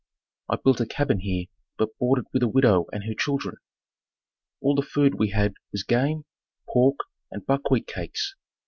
I built a cabin here but boarded with a widow and her children. All the food we had was game, pork and buckwheat cakes.